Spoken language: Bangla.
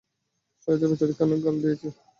সারদা বেচারীকে অনেক গাল দিয়েছি।